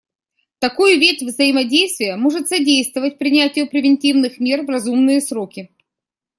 Такой вид взаимодействия может содействовать принятию превентивных мер в разумные сроки.